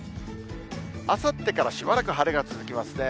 あさってからしばらく晴れが続きますね。